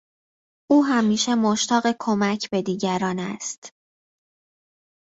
او همیشه مشتاق کمک به دیگران است.